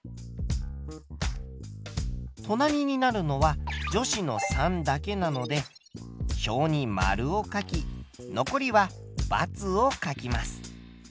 隣になるのは女子の３だけなので表に○を書き残りは×を書きます。